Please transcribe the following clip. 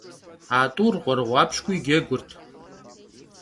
A t'ur ğuerığuapşk'ui cegurt.